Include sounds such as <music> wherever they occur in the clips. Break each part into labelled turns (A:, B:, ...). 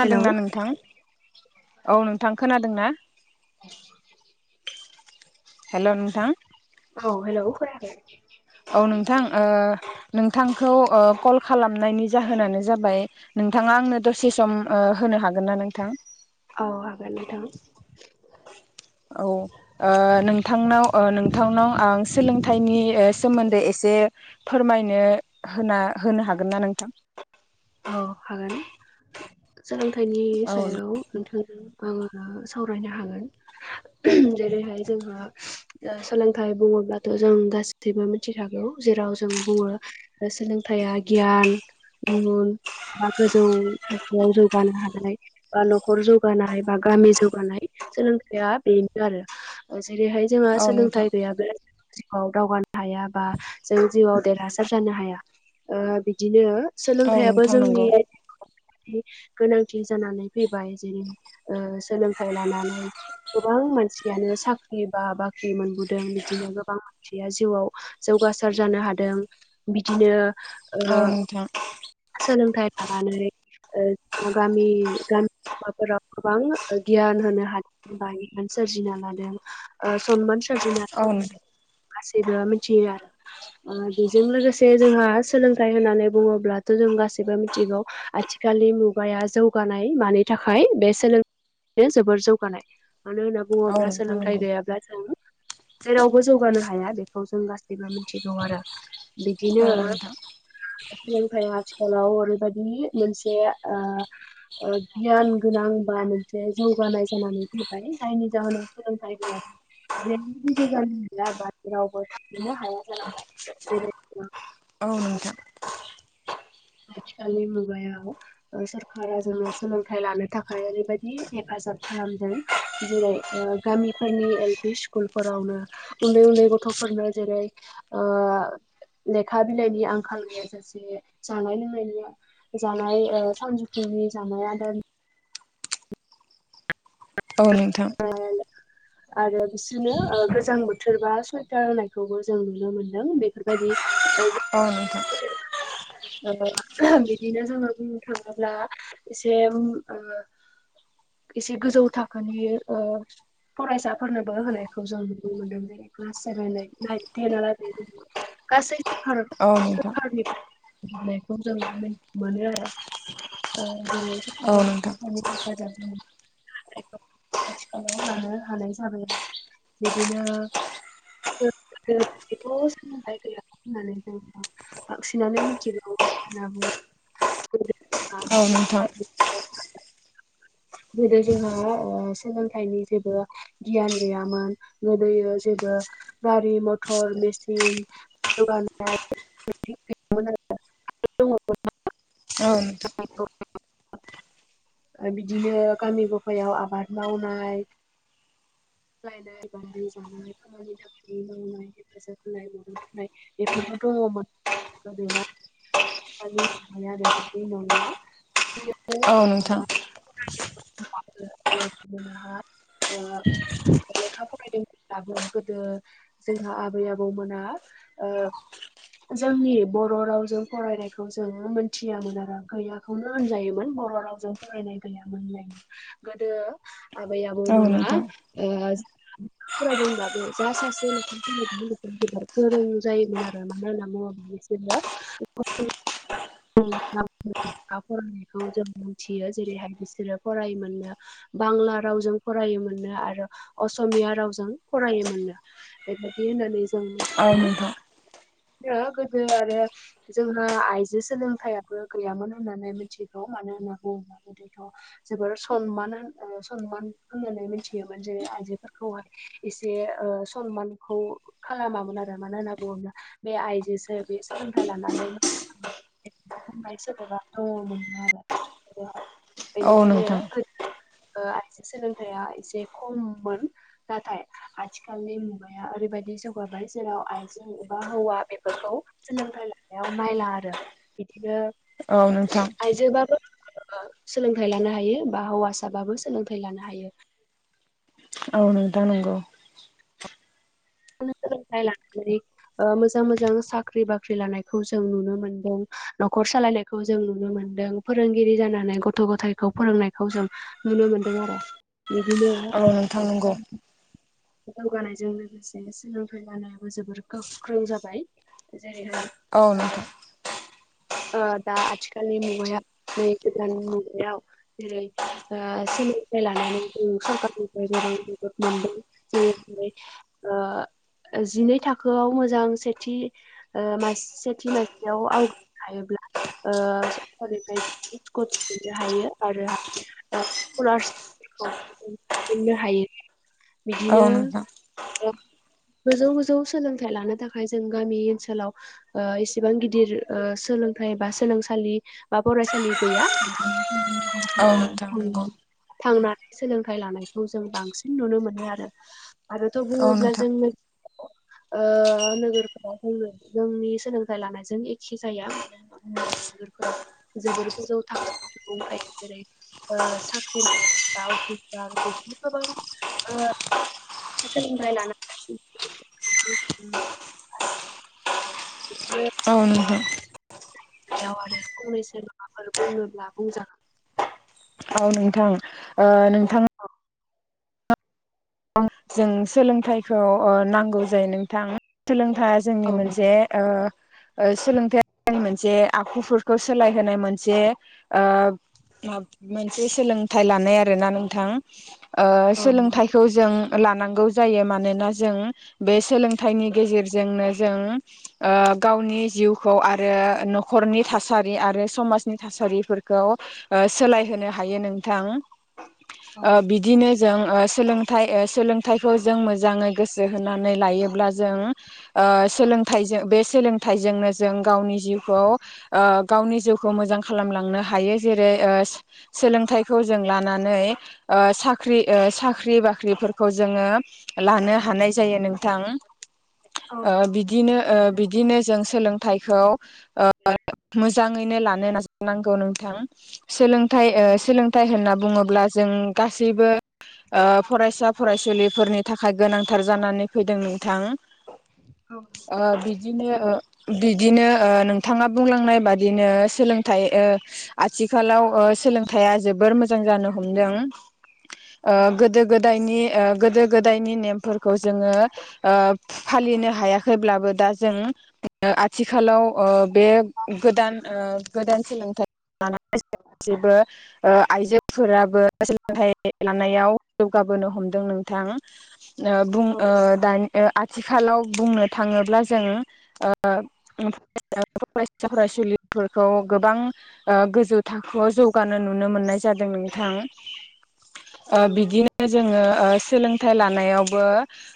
A: Hello
B: नोंथां औ नोंथां खोनाद दोंना।
A: <inaudible>
B: हेल' नोंथां।
A: औ हेल खोनायखै।
B: औ नोंथां ‌ओ नोंथांखौ ओ कल खालामनायनि जाहोनानो जाबाय नोंथाङा आंनो दसे सम ओ होन नो हागोन ना नोंथां?
A: औ हागोन नोंथां।
B: औ ओ नोंथांनाव ओ नोंथांनाव आं सोलोंथाइनि सोमोन्दै एसे जे फोरमायनो होना होनो हागोन ना नोंथां?
A: औ हागोन सोलोंथाइनि
B: औ
A: सायाव नोंथां आो सावरायनो हागोन जेरैहाय जोंहा ओ सोलोंथाइ बु ब्लाथ' जों गाैबो मिथिखागौ जेराव जों बुङो सोलोंथाइया गियान मुन बा गोजौ थाखोआव जौगानो हानाय बा न'खर जौगानाय बा गामि जौगानाय सोलोंथाइआ बेनो आरो जेरैहाय जोंहा
B: औ नोंथां
A: सोलोंथाइ गैयाब्ला जिउआव दावगानो हाया बा जों जिउआव देरहासार जानो हाया ओ बि दिनो
B: औ
A: सोलोंथाइयाबो
B: नोंथां नंगौ
A: जोंनि गोनांथि जानानै फैबाय जेरै ओ सोलोंथाइ लानानै गोबां मानसियानो साख्रि बा बाख्रि मोनबोदों बिदिनो गोबां मानसिया जिउआव जौ जौगासार जानो हादों बिदिनो ओ
B: आनोथा।
A: सोलोंथाइ लानानै ओ गामि गामि बाफोराव गोबां गियान होनो हादों बा इउन सोरजिना लादों ओ सनमान सोरजिना
B: औ
A: गासैबो मिथियो आरो ओ बेजों लोगोसे जोंहा सोलोंथाइ होननानै बुङोब्लाथ थ जों गासैबो मिथिगौ आथिखालनि मुगाया जौगानाय मानि थाखाय बे सोलों बे जोबोर जौगानाय मानो होनना
B: औ
A: बुङोब्ला
B: नोंथां
A: सोलोंथाइ
B: नंगौ
A: गैयाब्ला जों जेरावबो जौगानो हाया बेखौ जों गासैबो मिथिगौ आरो। बिदिनो
B: औ नोंथां
A: ओमफ्राय आथिखालाव ओरैबायदि ओ मोनसे गियान गोनां बा मोन से जौगानाय जानानै फैबाय जायनि जाहोनाव सोलोंथायाइ गैया जै बुजु जानो मोनला ब रावबो थांनो हाया जालांबाय जेरै
B: औ नोंथां।
A: आथिखालनि मुगायाव ओ सरखारा जोङो सोलोंथाइ लानो थाखाय ओरैबायदि हेफाजाब। जाब खालामदों जेरै गामिफोरनि एल पि स्कुल फोरावनो उन्दै उन्दै गथ'। थ'फोरनो जेरै लेखा बिलाइनि आंखाल गैयाजासेनो। जानाय लोंनायनि जानाय ओ सानजौफुंनि जानाय आदार।
B: औ नोंथां।
A: आरो बिसोरनो ओ गोजां बोथोर बा सुवइटार होनायखौबो जों नुनो मोनदों बेफोरबायदि ओ जों
B: अ नोंथां।
A: ओ बिदिनो जोङो बुंनो थाङोब्ला एसे ओ एसे गोजौ था खोनि फरायसाफोरनोबो होनायखौ जों नुनो मोनदों जेरै क्लास सेभेन इद नाइन <unintelligible> गासै भारत
B: औ नोंथां
A: भारतनिफ्रायश नायखौ जों मोनो आरो जेरैओ
B: औ
A: आरो
B: नोंथां
A: स हाजारानि। <unintelligible> आथिखालाव लानो हानाय जाबाय बिदिनो थ' सोलोंथायाइ गैया होननानै जों बांसिनानो मिथिगौ। <unintelligible> बुंङो
B: औ नोंथां।
A: गोदो‌ जोंहा। ओ सोलोंथाइनि जेबो गियान गैयामोन गोदो जेबो गारि मथ थर मेसिन जौगायनाय बेदि गैयामोन आरो।
B: औ नोंथां।
A: <unintelligible> बिदिनो गामि गफायाव आ बाद मावनाय यनाय बादाय जानाय खामानि दामानि मावनाय हेफाजाब होनाय मद' होननाय बेफोरखौ दङमोन गोदो मा आथिखालनि माबाया बेबायदि नंला
B: औ नोंथां
A: <unintelligible>
B: <unintelligible>
A: लेखा फरायदोंमोनब्लाबो गोदो जोंहा आबै आबौमोना ओ जोंनि बर' रावजों फरायनायखौ जों मोनथियामोन आरो गैयाखौनो होनजायोमोन। बर' रावजों फरायनाय गैयामोनलायनो गोदो आबै आबौ
B: औ
A: मोना
B: नोंथां
A: ओ <unintelligible> फरायदोंब्लाबो जा सासे लेखा फरायदों जबोद गोरों जायोमोन आ रो मानो होनना बुङोब्ला <unintelligible> <unintelligible> फरायनायखौ जों मि बांला रावजों फरायोमोनो आरो असमिया रावजों फरायोमोननो बेबायदि होननानै जों
B: औ
A: मिथिगौ
B: नोंथां।
A: गोदो आरो जोंहा आइजो सोलोंथाइाबो गैयामोन होननानै मिथिगौ मानो होनना बुंङोब्ला गोदोथ' जोबोर सनमान होन- सनमान होननानै मिथियो मोन जेरै आइजोफोरखौहाय एसे ओ सनमानखौ खालामामोन आरो मानो होनना बुंङोब्ला बे आइजोसो बे सोलोंथाइ लानानै मा खालामो होन्नाय सोदोबा दंङमोन आरो।
B: औ नोंथां औ
A: बेनिखायनो
B: नोंथां
A: आरो ओ आइजो सोलोंथाइया एसे खममोन नाथाय आथिखालनि मुगाया ओरैबायदि जौगाबाय जेराव आइजो बा हौवा बेफोरखौ सोलोंथाइ लानायाव नायला आरो बिदिनो आइजो बा बो। सोलोंथाइ लानो हायो बा हौवासाबाबो सोलोंथाय लानो हायो।
B: औ नोंथां नंगौ।
A: सोलोंथाइ लानानै ओ मोजां मोजां साख्रि बाख्रि लानायखौ जों नुनो मोनदों। न'खर सालायनायखौ जों नुनो मोनदों फोरोंगिरि जानानै गथ' गथायखौ फोरोंनायखौ जों नु नुनो मोनदों आरो।
B: औ नोंथां नंगौ।
A: दावगानायजों लोगोसे सोलोंथाइ लानायाबो जोबोर गोख्रों जाबाय। जेरैहाय
B: औ
A: ओ
B: नोंथां <unintelligible>
A: ओ दा आथिखालनि मुगायाव नै गोदान मुगायाव जेरै ओ सो लोंथाइ लानानै जों सरखारनिफ्राय गोबां मदद मोनदों जेरैहाय ओ जिनै थाखोआव मोजां सेथि ओ मास सेथि मासियाव आवग्रिनो हायोब्ला ओ सरखारनिफ्राय <unintelligible> स्कुटि मोननो हायो आरो ओ स्कलाफोरखौबो मोननो हायो।
B: ओ
A: बिदिनो
B: नोंथां।
A: <unintelligible> गोजौ गोजौ सोलोंथाइ लानो थाखाय जों गामि ओनसोलाव ओ इसेबां गिदिर ओ सो लोंथाइ एबा सोलोंसालि बा फरायसालि गैया बिदि
B: औ नोंथां नंगौ।
A: थांनानै सोलोंथाइ लानायखौ जों बांसिन नुनो मोनो आरो आरो थ
B: औ
A: बुङोब्ला
B: नोंथां
A: जोंनो
B: <inaudible>
A: ओ नोगोरफोराव जोङो जोंनि सोलोंथाइ लानायजों एखे जाया मानो होनना बुङोबा नोगोरफोराव जोबोर गोजौ थाखो सुबुं थायो जेरै ओ साख्रि <unintelligible> बा अफिसार बिदिनो गोबां ओ सोलोंथाइ लाना <unintelligible>
B: औ नोंथां।
A: सायाव आरो फंनैसो माबाफोर बुंनोब्ला बुंजागोन
B: औ नोंथां ओ नोंथाङा जों सोलोंथाइखौ ओ नांगौ जायो नोंथां सोलों थाइआ जोंनि
A: औ नंगौ
B: मोनसे ओ ओ सोलोंथाइआ जोंनि मोनसे आखुफोरखौ सोलायहोनाय मोनसे ओ माब मोनसे सोलोंथाइ लानाय आरोना नोंथां ओ
A: औ नंगौ
B: सोलोंथाइखौ जों लानांगौ जायो मानोना जों बे सोलोंथाइनि गेजेरजोंनो जों ओ गावनि जिउखौ आरो नखरनि थासारि आरो समाजनि थासारिफोरखौ ओ सोलायहोनो हायो नोंथां
A: औ
B: ओ बिदिनो जों ओ सोलोंथाइ ओ सोलोंथाइखौ जों मोजाङै गोसो होनानै लायोब्ला जों ओ सोलोंथाइजों बे सो सोलोंथाइजोंनो जों गावनि जिउखौ ओ गावनि जिउखौ मोजां खालामलांनो हायो जेरै ओ सोलोंथाइखौ जों लानानै ओ साख्रि ओ साख्रि बाख्रिफोर लानो हानाय जायो नोंथां।
A: औ
B: ओ
A: नंगौ
B: बिदिनो ओ बिदिनो जों सोलोंथाइखौ ओ मोजाङैनो लानो नाजानांगौ नोंथां सोलों थाइ ओ
A: औ नंगौ
B: सोलोंथाइ होनना बुङोब्ला जों गासैबो ओ फरायसा फरायसुलिफोरनि थाखाय गोनांथार जानानै फैदों नोंथां।
A: औ नंगौ
B: ओ बिदिनो ओ बिदिनो ओ नोंथाङा बुंलांनाय बादिनो सोलोंथाइ ओ आथिखालाव ओ सोलोंथाइ जोबोर मोजां जानो हमदों ओ गोदो गोदायनि ओ गोदो गोदायनि नेमफोरखौ जोङो ओ फालिनो हायाखैब्लाबो दा जों आथिखालाव ओ बे गोदान ओ गोदान सोलोंथाइ लानानै <unintelligible> गासैबो ओ आइजोफोराबो सोलोंथाइ लानायाव जौगाबोनो हमदों। नोंथां ओ बुं ओ दानि ओ आथि आथिखालाव बुंनो थाङोब्ला जों ओ <unintelligible> फरायसा फरायसुलिफोरखौ गोबां ओ गोजौ थाखोआव जौग गानो नुनो मोननाय जादों नोंथां
A: औ
B: ओ
A: नंगौ
B: बिदिनो जोङो ओ सोलोंथाइ लानायावबो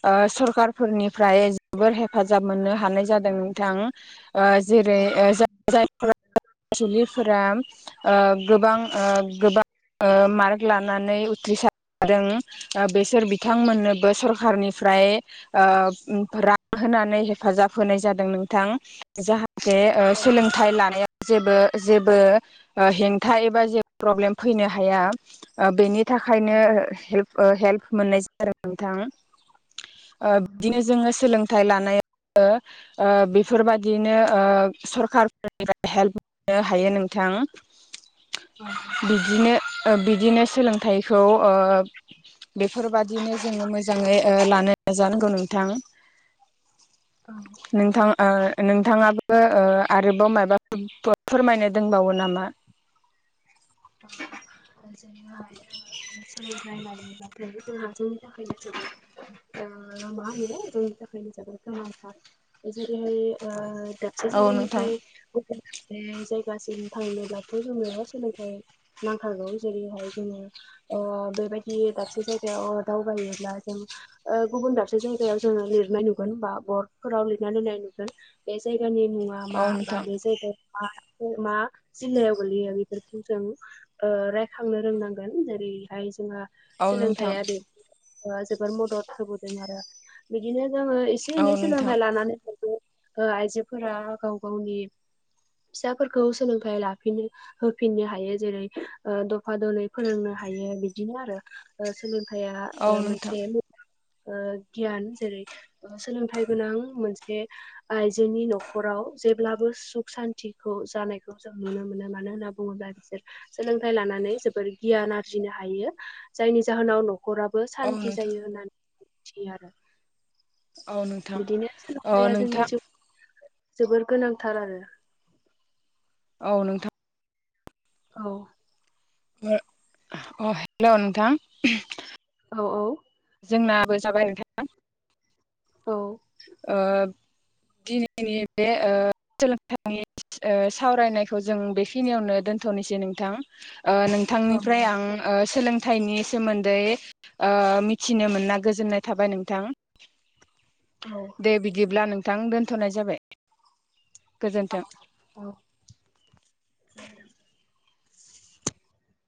B: ओ सरखारफोरनिफ्राय जोबोर हेफाजाब मोननो हानाय जादों। नोंथां ओ जेरै
A: औ
B: ओ जाय जायफोरा फरायसुलिफोरा ओ गोबां ओ गोबां ओ मार्क लानानै उथ्रिसारदों बेसोर बिथांमोननोबो सरखारनिफ्राय ओ उम रां होनानै हेफाजाब होनाय जादों नोंथां जाहाथे ओ
A: औ
B: सोलोंथाइ लानायाव जेबो जेबो ओ हेंथा एबा जे प्रब्लेम फैनो हाया बेनि थाखायनो हेल्प ओ हेल्प मोननाय जादों नोंथां। ओ बिदिनो
A: नंगौ
B: जोङो सोलोंथाइ लानायाव ओ ओ बेफोरबादिनो ओ सरखारफोरनिफ्राय हेल्प मोननो हायो नोंथां। नोंथां। बिदिनो ओ बिदिनो सोलोंथाइखौ ओ बेफोरबादिनो जोङो मोजाङै ओ लानो नाजानांगौ नोंथां।
A: औ
B: नोंथां ओ नोंथाङाबो बो ओ आरोबाव माबा फोरमायनो दोंबावो नामा?
A: जेरैहा जङो सोलोंथाइ लायोब्लाथायबो जोंहा जोंनि थाखायनो जोबोद ओ मा होनो जोंनि थाखायनो जोबोद गोनांथार जेरैहाय दाबसे
B: औ नोंथां
A: जायगानिफ्राय गुबुन दाबसे जायगासिम थांनोब्लाथ' जोङो सोलोंथाइ नांथारगौ जेरैहाय जोङो ओ बेबायदि दाबसे जायगायाव दावबायोब्ला गुबुन दाबसे जायगायाव जोङो लिरनाय नुगोन बा बरद फोराव लिरना दोननाय नुगोन बे ज जायगानि मुंआ
B: औ
A: मा बा
B: नोंथां
A: बे जायगायाव मा मा जिल्लायाव गोलैयो बेफोरखौ जों ओ रायखांनो रोंनांगोन जेरैहाय जोंहा
B: औ नोंथां
A: सोलोंथाइया बे ओ जोबोद मदद होबोदों आरो बिदिनो जोङो एसे
B: औ
A: एनै
B: नोंथां
A: सोलोंथाइ लानानै ओ आइजोफोरा गाव गावनि फिसाफोरखौ सोलोंथायाइ लाफिनो होफि फिनो हायो जेरै ओ दफा दनै फोरोंनो हायो बिदिनो आरो ओ सोंलों आया
B: औ नोंथां
A: मोनसे ओ गियान जेरै सोलोंथाइ गोनां मोनसे आइजोनि न'खराव जेब्लाबो सुख सान्तिखौ जानायखौ जों नुनो मोनो मानो होनन बुङोब्ला बिसोर सोलोंथायाइ लानानै जोबोर गियान आरजिनो हायो जायनि जाहोनाव न नखराबो
B: औ
A: सान्ति
B: नोंथां
A: जायो होननानै मिथियो आरो।
B: औ नोंथां
A: बिदिनो
B: औ
A: सोलोंथाइ आ
B: नोंथां
A: जों जोबोर गोनांथार आरो।
B: औ नोंथां।
A: औ।
B: अ हेल' नोंथां।
A: औ औ।
B: जोंनाबो जाबाय नोनथां।
A: औ।
B: ओ दिनैनि बे ओ सोलोंथाइनि ओ सावरायनायखौ जों बेखिनियावनो दोनथ'नोसै नोंथां। ओ‌
A: औ
B: नोंथांनिफ्राय आं ओ‌ सोलों थाइनि सोमोन्दै ओ मिथिनो मोना गोजोननाय थाबाय नोंथां। दे बिदिब्ला नोंथां दोनथ'नाय जाबाय। गोजोन्थों।
A: औ औ